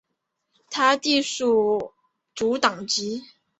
他隶属民主党籍。